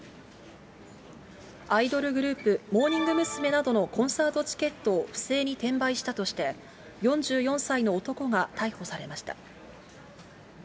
アイドルグループ、モーニング娘。などのコンサートチケットを不正に転売したとして、４４歳の男が逮捕されました。